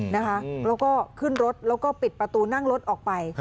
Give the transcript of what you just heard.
แล้วก็ขึ้นรถแล้วก็ปิดประตูนั่งรถออกไป